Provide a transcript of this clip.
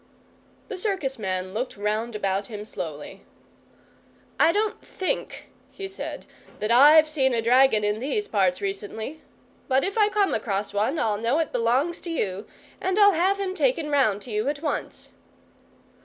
The circus man looked round about him slowly. "I don't THINK," he said, "that I've seen a dragon in these parts recently. But if I come across one I'll know it belongs to you, and I'll have him taken round to you at once."